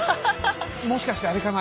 もしかしてあれかな。